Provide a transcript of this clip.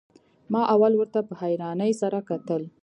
ما اول ورته په حيرانۍ سره کتل.